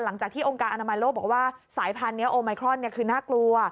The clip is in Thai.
หลังจากที่องค์การอนามัยโลกบอกว่าสายพันธุนี้โอไมครอนคือน่ากลัว